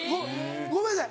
ごめんなさい